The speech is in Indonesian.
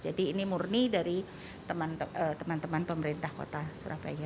jadi ini murni dari teman teman pemerintah kota surabaya